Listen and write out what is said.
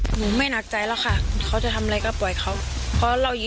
สนุนบัชคระบายเป็นข้อจารย์ข้อหลวงแต่ก็ต้องยอมหลงคอนเดชน์